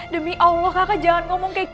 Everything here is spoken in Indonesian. demi allah kakak jangan ngomong kayak